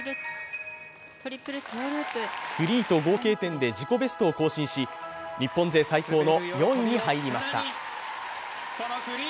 フリーと合計点で自己ベストを更新し日本勢最高の４位に入りました。